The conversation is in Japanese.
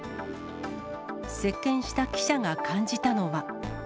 接見した記者が感じたのは。